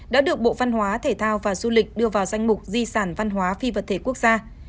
đã được bộ văn hóa thể thao và du lịch đưa vào danh mục di sản văn hóa phi vật thể quốc gia